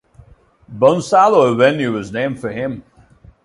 Bonsallo Avenue was named for him.